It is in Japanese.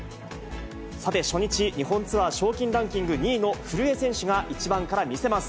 さて、初日、日本ツアー賞金ランキング２位の古江選手が１番から見せます。